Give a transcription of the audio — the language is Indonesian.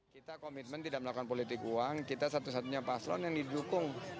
kita komitmen tidak melakukan politik uang kita satu satunya paslon yang didukung